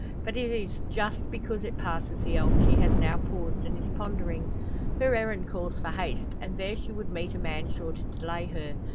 But it is just because it passes the elm she has now paused and is pondering. Her errand calls for haste, and there she would meet a man sure to delay her.